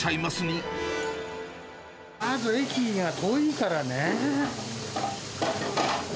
まず駅が遠いからね。